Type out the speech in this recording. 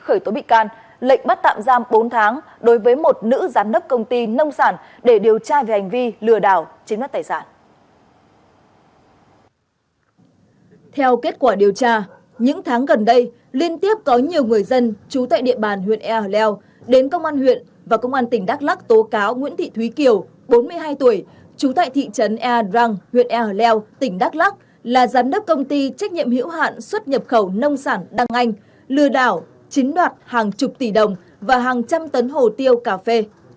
theo kết quả điều tra những tháng gần đây liên tiếp có nhiều người dân trú tại địa bàn huyện ea hờ leo đến công an huyện và công an tỉnh đắk lắc tố cáo nguyễn thị thúy kiều bốn mươi hai tuổi trú tại thị trấn ea drang huyện ea hờ leo tỉnh đắk lắc là giám đốc công ty trách nhiệm hiểu hạn xuất nhập khẩu nông sản đăng anh lừa đảo chính đoạt hàng chục tỷ đồng và hàng trăm tấn hồ tiêu cà phê